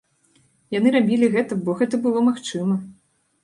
Яны рабілі гэта, бо гэта было магчыма.